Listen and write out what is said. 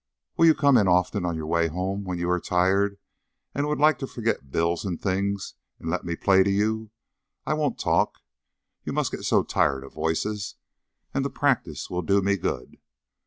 "Will you come in often on your way home when you are tired and would like to forget bills and things, and let me play to you? I won't talk you must get so tired of voices! and the practice will do me good."